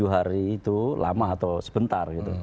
tujuh hari itu lama atau sebentar gitu